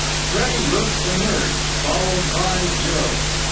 Freddie Rooke emerged, followed by Jill.